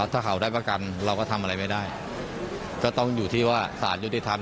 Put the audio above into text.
ถ้าเขาได้ประกันเราก็ทำอะไรไม่ได้ก็ต้องอยู่ที่ว่าสารยุติธรรม